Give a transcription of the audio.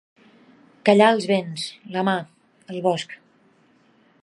Callar els vents, la mar, el bosc.